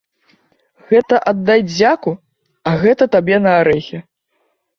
Гэта аддай дзяку, а гэта табе на арэхі.